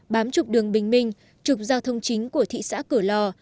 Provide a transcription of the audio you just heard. bám trục đường bình minh trục giao thông chính của thị xã cửa lò